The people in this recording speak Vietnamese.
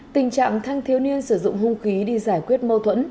tình trạng thanh thiếu niên sử dụng hung khí đi giải quyết mâu thuẫn